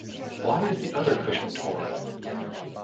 Why is the other cushion torn?